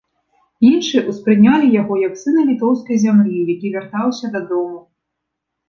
Іншыя ўспрынялі яго як сына літоўскай зямлі, які вяртаўся дадому.